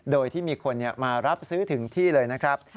โดยที่มีคนมารับซื้อถึงที่เลยนะครับ